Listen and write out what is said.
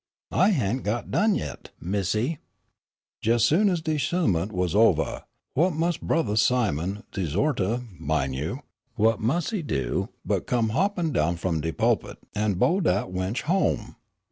"I hadn' got done yit, Missy. Jes' ez soon ez de sehmont was ovah, whut mus' Brothah Simon, de 'zortah, min' you, whut mus' he do but come hoppin' down f'om de pu'pit, an' beau dat wench home!